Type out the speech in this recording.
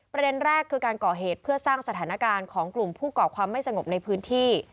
ประเด็นแรกคือการก่อเหตุเพื่อสร้างสถานการณ์ของกลุ่มผู้ก่อความไม่สงบในพื้นที่